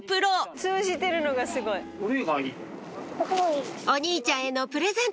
通じてるのがすごい。お兄ちゃんへのプレゼント